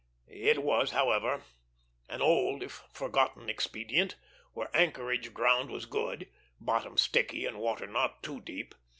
It was, however, an old if forgotten expedient, where anchorage ground was good bottom sticky and water not too deep.